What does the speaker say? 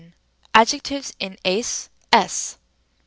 Adjectives in 7S, és.